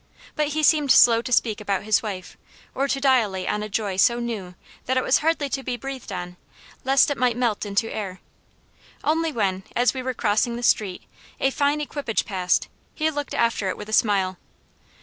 But he seemed slow to speak about his wife, or to dilate on a joy so new that it was hardly to be breathed on, lest it might melt into air. Only when, as we were crossing the street, a fine equipage passed, he looked after it with a smile.